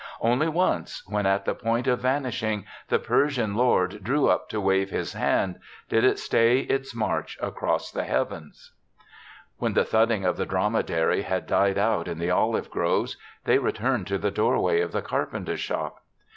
Only once, when at the point of vanishing the Persian lord drew up to wave his hand, did it 3tay its march across the heavens. THE SEVENTH CHRISTMAS 59 When the thudding of the drome dary had died out in the olive groves, they returned to the doorway of the carpenter's shop.